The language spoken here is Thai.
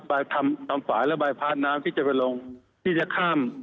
ไปทำฝายและบายพาดน้ำที่จะไปลงที่จะข้าม